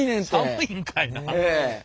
寒いんかいな。